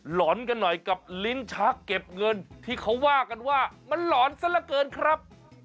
หลอนกันหน่อยกับลิ้นชักเก็บเงินที่เขาว่ากันว่ามันหลอนซะละเกินครับ